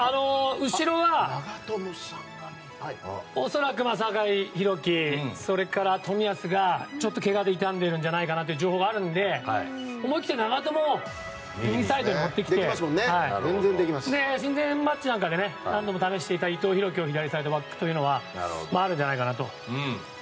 後ろは恐らく酒井宏樹、冨安がちょっとけがで痛んでるんじゃないかという情報があるので思い切って長友を右サイドに持ってきて親善マッチなんかで何度も試していた伊藤洋輝を左サイドバックというのはあるんじゃないかなと。